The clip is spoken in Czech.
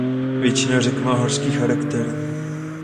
Většina řek má horský charakter.